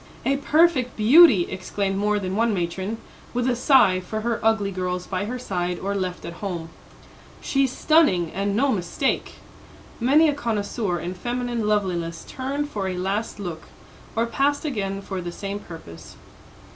"A perfect beauty!" exclaimed more than one matron, with a sigh for her ugly girls by her side or left at home. "She's stunning, and no mistake!" Many a connoisseur in feminine loveliness turned for a last look, or passed again for the same purpose.